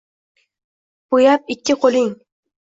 bo’yab ikki qo’ling